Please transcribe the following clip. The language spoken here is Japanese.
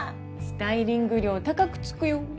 スタイリング料高くつくよ。